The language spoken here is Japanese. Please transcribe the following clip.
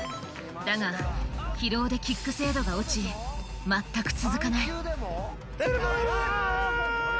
だが疲労でキック精度が落ち全く続かないあぁ惜しい。